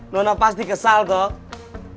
nona pasti kesal toh